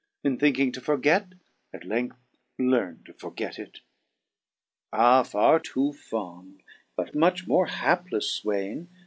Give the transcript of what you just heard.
In thinking to forget, at length learne to forget it. 3 '* Ah, farre too fond, but much more haplefle Swaine